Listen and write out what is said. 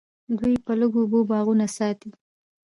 دوی په لږو اوبو باغونه ساتي.